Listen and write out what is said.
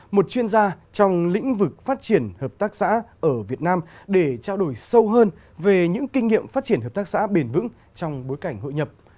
một chuyên gia trong lĩnh vực phát triển hợp tác xã ở việt nam để trao đổi sâu hơn về những kinh nghiệm phát triển hợp tác xã bền vững trong bối cảnh hội nhập